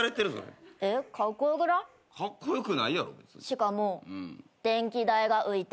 しかも電気代が浮いた。